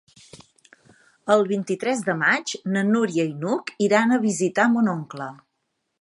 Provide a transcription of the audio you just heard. El vint-i-tres de maig na Núria i n'Hug iran a visitar mon oncle.